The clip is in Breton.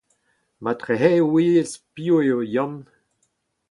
Marteze e ouzez piv eo Yann.